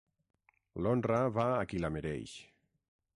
L'honra va a qui la mereix.